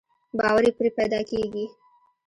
باور يې پرې پيدا کېږي.